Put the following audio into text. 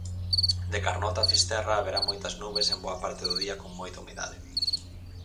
De Carnota a Fisterra haberá moitas nubes en boa parte do día con moita humidade.